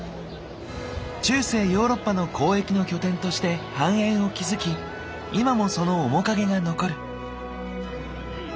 中世ヨーロッパの交易の拠点として繁栄を築き今もその面影が残る。